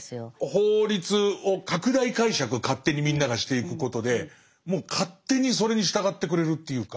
法律を拡大解釈を勝手にみんながしていくことでもう勝手にそれに従ってくれるっていうか。